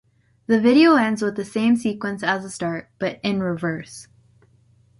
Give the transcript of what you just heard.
The video ends with the same sequence as the start, but in reverse.